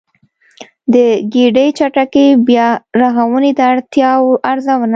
د ګډې چټکې بيا رغونې د اړتیاوو ارزونه